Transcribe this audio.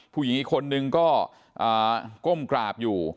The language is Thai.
ผู้หญิงคนนึงก้มกราบอยู่